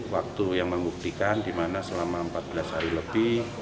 waktu yang membuktikan di mana selama empat belas hari lebih